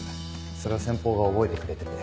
それを先方が覚えてくれてて。